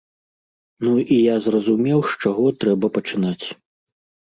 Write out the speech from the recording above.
Ну, і я зразумеў, з чаго трэба пачынаць.